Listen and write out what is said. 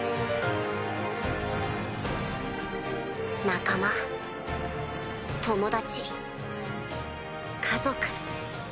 ・仲間友達家族。